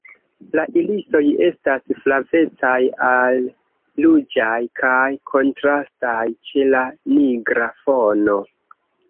La irisoj estas flavecaj al ruĝaj kaj kontrastaj ĉe la nigra fono.